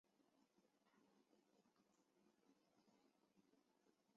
华域克及洛达取得来届荷甲参赛席位。